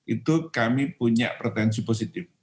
itu kami punya pretensi positif